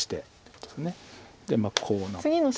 でこうなって。